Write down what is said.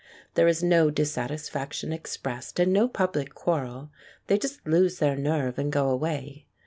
There is no dissatisfaction expressed and no public quarrel. They just lose their nerve and go away.